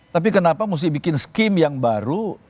tapi kenapa mesti bikin skim yang baru